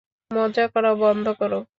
মজা করা বন্ধ করো।